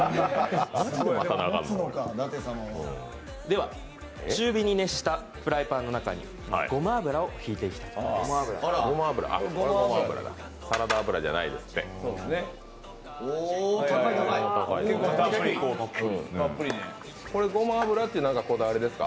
では、中火に熱したフライパンの中にごま油を引いていきたいと思います。